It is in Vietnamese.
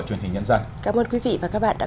truyền hình nhân dân cảm ơn quý vị và các bạn đã